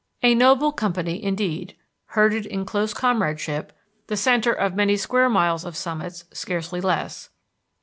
A noble company, indeed, herded in close comradeship, the centre of many square miles of summits scarcely less.